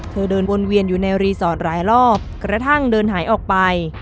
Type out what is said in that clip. เดินวนเวียนอยู่ในรีสอร์ทหลายรอบกระทั่งเดินหายออกไป